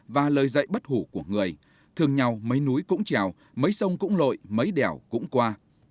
và lời dạy bất hủ của người thường nhau mấy núi cũng trèo mấy sông cũng lội mấy đèo cũng qua